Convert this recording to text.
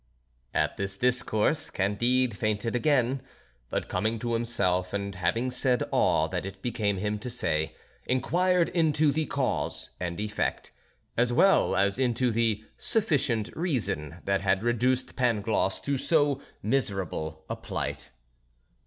At this discourse Candide fainted again; but coming to himself, and having said all that it became him to say, inquired into the cause and effect, as well as into the sufficient reason that had reduced Pangloss to so miserable a plight.